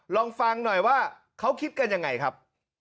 ลองฟังหน่อยว่าเขาคิดกันยังไงครับ